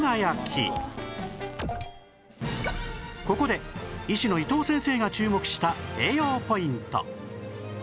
ここで医師の伊藤先生が注目した栄養ポイント